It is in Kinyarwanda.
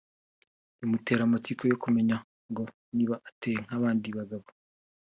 bimutera amatsiko yo kumenya ngo niba ateye nk’abndi bagabo